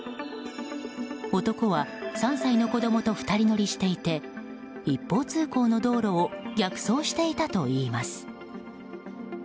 男は３歳の子供と２人乗りしていて一方通行の道路を逆走していたといいます。